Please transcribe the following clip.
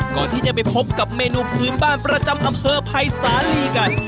ก่อนที่จะไปพบกับเมนูพื้นบ้านประจำอำเภอภัยสาลีกัน